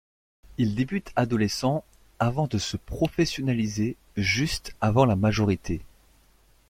Il débute adolescent avant de se professionnaliser juste avant la majorité.